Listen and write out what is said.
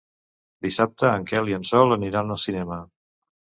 Dissabte en Quel i en Sol aniran al cinema.